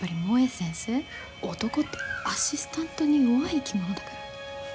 男ってアシスタントに弱い生き物だから。